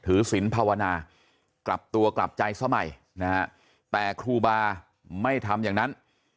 ศิลปภาวนากลับตัวกลับใจสมัยนะฮะแต่ครูบาไม่ทำอย่างนั้น